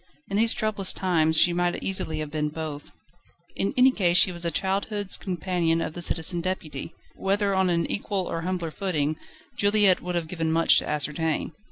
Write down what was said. In these troublous times she might easily have been both. In any case she was a childhood's companion of the Citizen Deputy whether on an equal or a humbler footing, Juliette would have given much to ascertain.